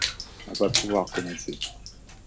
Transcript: On va pouvoir commencer.